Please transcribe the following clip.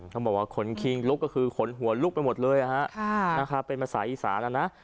เขาบอกว่าคนครีมลุกก็คือคนหัวลุกไปหมดเลยค่ะค่ะเป็นมาสาอิสานะนะ